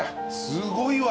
すごいわ。